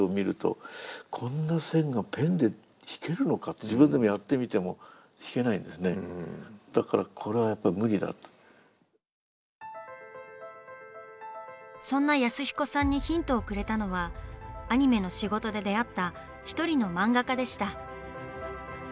いや僕はそのそんな安彦さんにヒントをくれたのはアニメの仕事で出会った一人の漫画家でした。